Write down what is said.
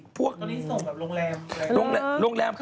ตรงนี้ส่งแบบโรงแรม